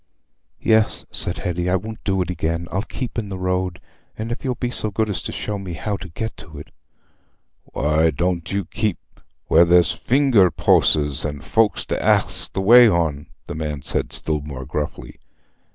"Yes," said Hetty, "I won't do it again. I'll keep in the road, if you'll be so good as show me how to get to it." "Why dooant you keep where there's a finger poasses an' folks to ax the way on?" the man said, still more gruffly.